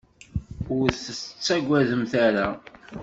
Ur tt-tettagademt ara.